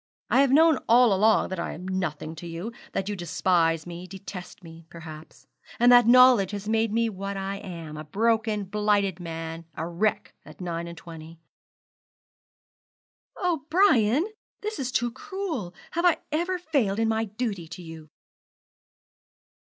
I have known all along that I am nothing to you, that you despise me, detest me, perhaps; and that knowledge has made me what I am a broken, blighted man, a wreck, at nine and twenty.' 'Oh, Brian, this is too cruel! Have I ever failed in my duty to you?'